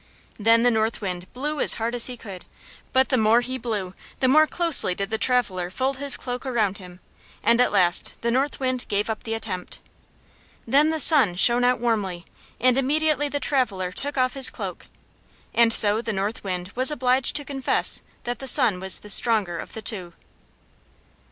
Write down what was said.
Then the North Wind blew as hard as he could, but the more he blew the more closely did the traveler fold his cloak around him; and at last the North Wind gave up the attempt. Then the Sun shined out warmly, and immediately the traveler took off his cloak. And so the North Wind was obliged to confess that the Sun was the stronger of the two.